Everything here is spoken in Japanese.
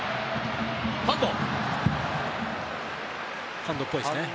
ハンドっぽいですけどね。